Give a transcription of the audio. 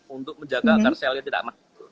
untuk menjaga sel selnya tidak masuk